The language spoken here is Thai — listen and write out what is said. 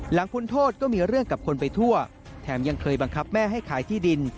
พ้นโทษก็มีเรื่องกับคนไปทั่วแถมยังเคยบังคับแม่ให้ขายที่ดิน